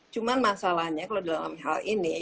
cuma masalahnya kalau dalam hal ini